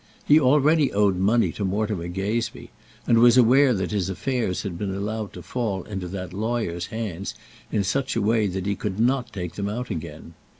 He already owed money to Mortimer Gazebee, and was aware that his affairs had been allowed to fall into that lawyer's hands in such a way that he could not take them out again.